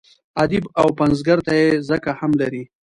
ادیب او پنځګر ته یې ځکه هم لري.